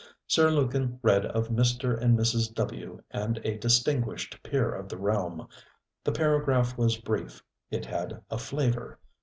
Sir Lukin read of Mr. and Mrs. W. and a distinguished Peer of the realm. The paragraph was brief; it had a flavour.